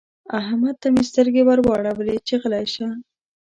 احمد ته مې سترګې ور واړولې چې غلی شه.